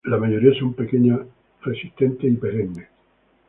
La mayoría son pequeñas, resistentes y perennes.